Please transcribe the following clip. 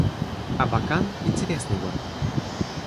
Абакан — интересный город